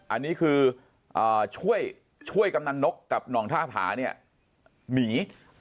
อันนี้คือช่วยกำนักนกกับนองท่าผาหนี